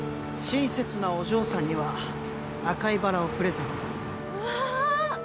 親切なお嬢さんには赤いバラをプレゼントわあー！